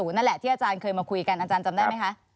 นั่นแหละที่อาจารย์เคยมาคุยกันอาจารย์จำได้ไหมคะ